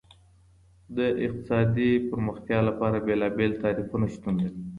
د اقتصادي پرمختيا لپاره بېلابېل تعريفونه شتون لري.